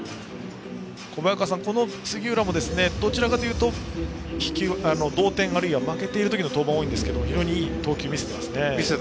小早川さん、杉浦もどちらかというと同点、あるいは負けている時の登板が多いんですが非常にいい投球できていますよね。